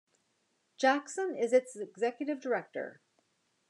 Jackson is its executive director.